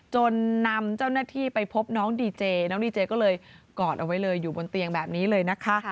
จนนำเจ้าหน้าที่ไปพบน้องดีเจน้องดีเจก็เลยกอดเอาไว้เลยอยู่บนเตียงแบบนี้เลยนะคะ